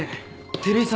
照井さん